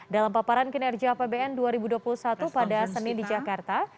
dalam paparan kinerja apbn dua ribu dua puluh satu pada senin di jakarta